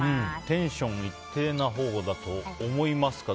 テンションは一定なほうだと思いますか？